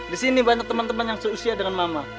di sini banyak teman teman yang seusia dengan mama